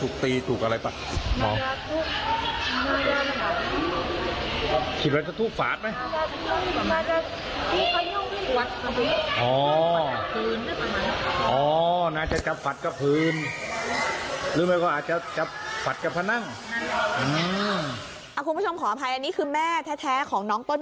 คุณผู้ชมขออภัยอันนี้คือแม่แท้ของน้องต้น